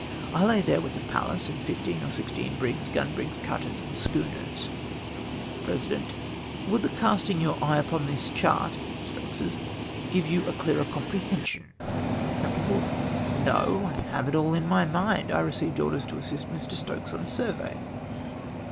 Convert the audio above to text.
I lay there with the Pallas and fifteen or sixteen brigs, cjun hrigs, cutters, and schooners 1^'' {Minutes, p. 86.J President. — '■'Would the casting your eye upon tJtis chart (Stokes's) grve you a clearer comprehension !! T' Capt. Woolfe. —" No ! I have it all in my mind. / received orders to assist Mr. Stokes on a survey.